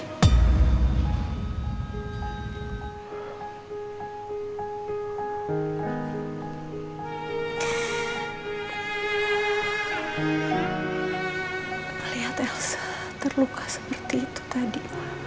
aku lihat elsa terluka seperti itu tadi